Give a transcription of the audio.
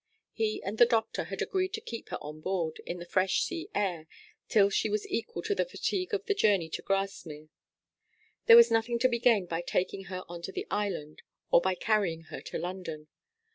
He and the doctor had agreed to keep her on board, in the fresh sea air, till she was equal to the fatigue of the journey to Grasmere. There was nothing to be gained by taking her on to the island or by carrying her to London.